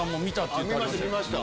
見ました